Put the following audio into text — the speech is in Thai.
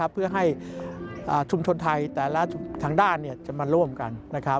เพื่อให้ชุมชนไทยแต่ละทางด้านจะมาร่วมกัน